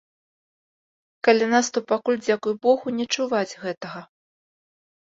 Каля нас то пакуль, дзякуй богу, не чуваць гэтага.